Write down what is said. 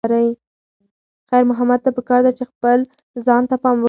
خیر محمد ته پکار ده چې خپل ځان ته پام وکړي.